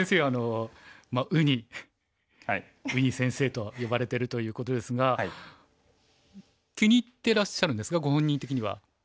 あのウニウニ先生と呼ばれてるということですが気に入ってらっしゃるんですかご本人的には。